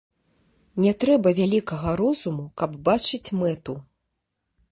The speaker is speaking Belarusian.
Не трэба вялікага розуму, каб бачыць мэту.